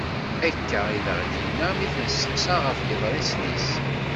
Akka i aɣ-d-yenna mi i t-nesteqsa ɣef yiḍrisen-is.